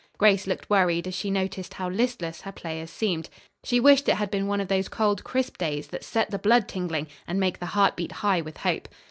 Grace looked worried, as she noticed how listless her players seemed. She wished it had been one of those cold, crisp days that set the blood tingling and make the heart beat high with hope.